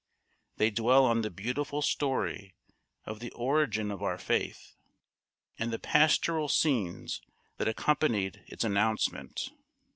They dwell on the beautiful story of the origin of our faith, and the pastoral scenes that accompanied its announcement.